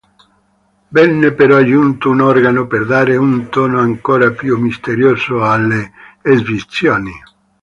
Venne però aggiunto un organo per dare un tono ancora più misterioso alle esibizioni".